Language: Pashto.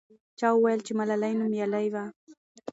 چا وویل چې ملالۍ نومیالۍ وه.